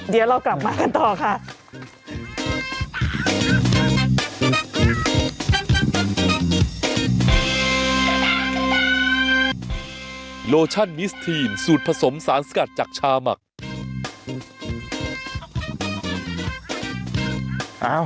เดี๋ยวเรากลับมากันต่อค่ะ